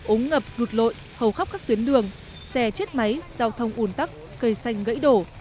ống ngập lụt lội hầu khắp các tuyến đường xe chết máy giao thông un tắc cây xanh gãy đổ